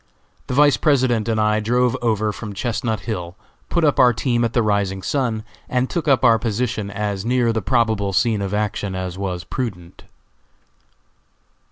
The Vice President and I drove over from Chestnut Hill, put up our team at the Rising Sun, and took up our position as near the probable scene of action as was prudent.